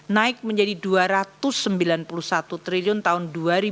naik menjadi rp dua ratus delapan belas triliun tahun dua ribu dua puluh satu